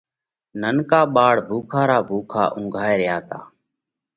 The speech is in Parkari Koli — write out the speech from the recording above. ننڪا ٻاۯ ڀُوکا را ڀُوکا اُنگھائي ريا تا۔